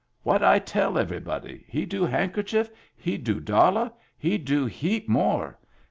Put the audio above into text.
"What I tell everybody? He do handkerchief. He do dollar. He do heap more.